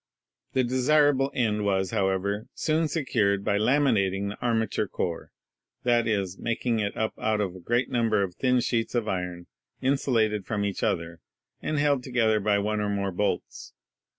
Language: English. The desirable end was, however, soon secured by "lami nating the armature core" — that is, making it up out of a great number of thin sheets of iron insulated from each other and held together by one or more bolts.